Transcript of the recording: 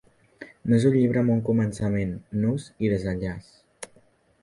No és un llibre amb un començament, nus i desenllaç.